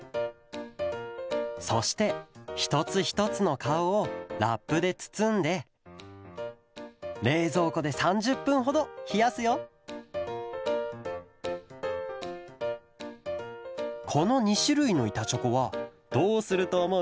そしてひとつひとつのかおをラップでつつんでれいぞうこで３０ぷんほどひやすよこの２しゅるいのいたチョコはどうするとおもう？